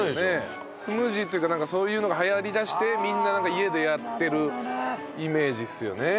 スムージーっていうかなんかそういうのが流行り出してみんななんか家でやってるイメージっすよね。